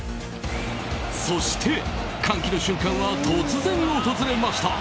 そして、歓喜の瞬間は突然、訪れました。